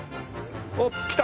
おっ来た。